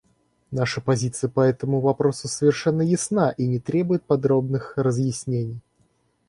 Наша позиция по этому вопросу совершенно ясна и не требует подробных разъяснений.